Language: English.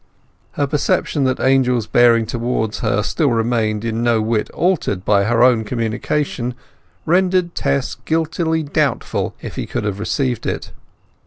Her perception that Angel's bearing towards her still remained in no whit altered by her own communication rendered Tess guiltily doubtful if he could have received it.